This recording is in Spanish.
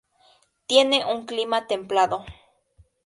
Tiene un clima templado.